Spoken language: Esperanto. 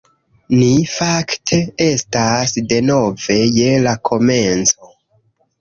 Ni fakte estas denove je la komenco